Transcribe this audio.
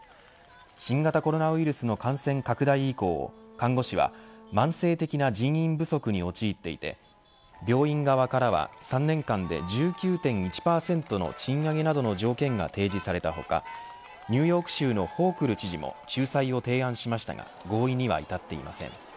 新型コロナウイルスの感染拡大以降看護師は慢性的な人員不足に陥っていて病院側からは３年間で１９．１％の賃上げなどの条件が提示された他ニューヨーク州のホークル知事も仲裁を提案しましたが合意には至っていません。